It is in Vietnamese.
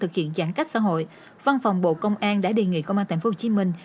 thực hiện giãn cách xã hội văn phòng bộ công an đã đề nghị công an thành phố hồ chí minh